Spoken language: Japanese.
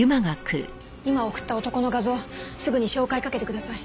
今送った男の画像すぐに照会かけてください。